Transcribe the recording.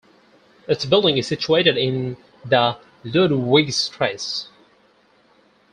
Its building is situated in the Ludwigstrasse.